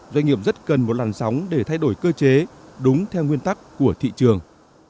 doanh nghiệp rất cần một làn sóng để thay đổi cơ chế đúng theo nguyên tắc của thị trường